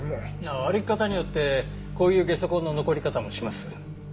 歩き方によってこういうゲソ痕の残り方もします。